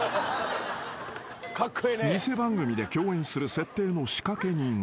［偽番組で共演する設定の仕掛け人が］